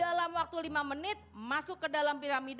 dalam waktu lima menit masuk ke dalam piramida